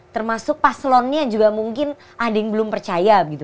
termasuk pas lonnya juga mungkin ada yang belum percaya